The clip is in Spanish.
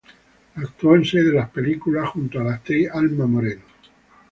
Actuó en seis de sus películas junto a la actriz Alma Moreno.